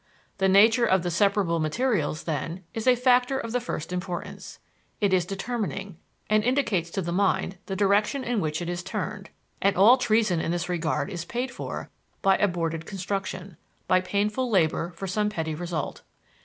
The nature of the separable materials, then, is a factor of the first importance; it is determining, and indicates to the mind the direction in which it is turned, and all treason in this regard is paid for by aborted construction, by painful labor for some petty result.